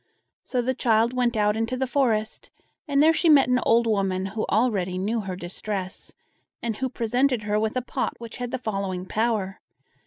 So the child went out into the forest, and there she met an old woman, who already knew her distress, and who presented her with a pot which had the following power.